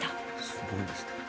すごいですね。